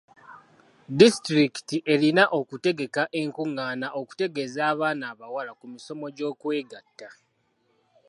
Disitulikiti erina okutegeka enkungaana okutegeeza abaana abawala ku misomo gy'okwegatta.